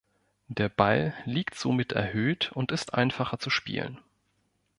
Der Ball liegt somit erhöht und ist einfacher zu spielen.